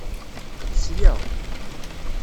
Sya.